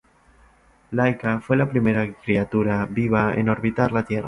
Laika fue la primera criatura viva en orbitar la Tierra.